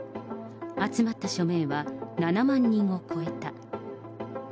集まった署名は７万人を超えた。